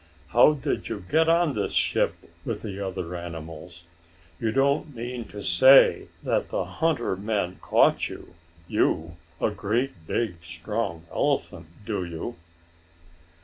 How did you get on this ship with the other animals? You don't mean to say that the hunter men caught you you, a great big strong elephant, do you?"